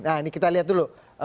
nah ini kita lihat dulu